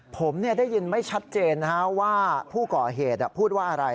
ผมได้ยินไม่ชัดเจนว่าผู้ก่อเหตุพูดว่าอะไร